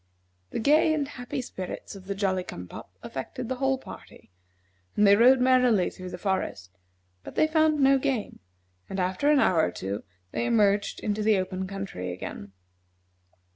The gay and happy spirits of the Jolly cum pop affected the whole party, and they rode merrily through the forest; but they found no game; and, after an hour or two, they emerged into the open country again.